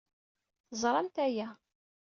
Teẓramt aya.